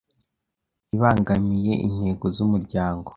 ibangamiye intego z umuryango